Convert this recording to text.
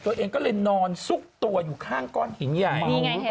ตัวเองก็เลยนอนซุกตัวอยู่ข้างก้อนหินใหญ่